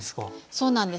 そうなんです。